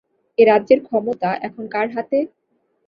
এ রাজ্যের ক্ষমতা এখন কার হাতে?